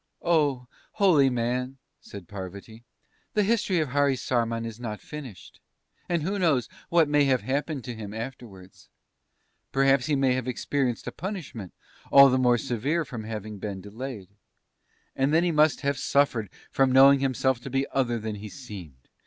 "Oh, Holy Man," said Parvati, "the history of Harisarman is not finished; and who knows what may have happened to him afterwards? Perhaps he may have experienced a punishment all the more severe from having been delayed. And then he must have suffered from knowing himself to be other than he seemed!